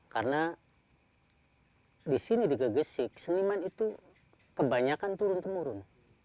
karena di sini di gegesik seniman itu kebanyakan turun temurun